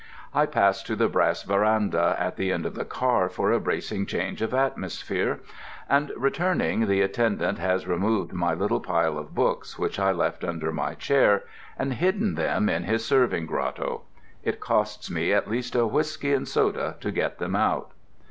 I pass to the brass veranda at the end of the car for a bracing change of atmosphere. And returning, the attendant has removed my little pile of books which I left under my chair, and hidden them in his serving grotto. It costs me at least a whiskey and soda to get them out.